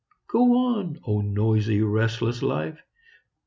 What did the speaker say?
Go on, oh, noisy, restless life!